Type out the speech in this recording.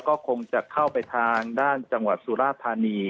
ก็คงจะเข้าไปทางด้านจังหวัดสุราธานี